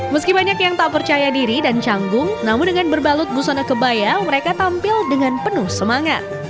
meski banyak yang tak percaya diri dan canggung namun dengan berbalut busana kebaya mereka tampil dengan penuh semangat